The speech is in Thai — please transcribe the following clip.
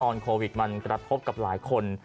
ตอนโควิดมันจะรับพบกับหลายคน